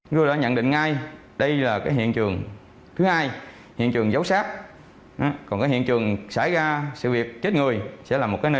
vừa đã nhận định ngay đây là hiện trường thứ hai hiện trường giấu sát